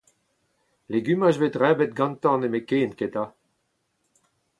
Legumaj a vez debret gantañ nemetken eta ?